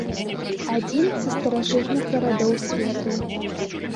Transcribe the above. Адзін са старажытных гарадоў свету.